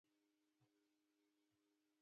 هغوی یوځای د ځلانده غزل له لارې سفر پیل کړ.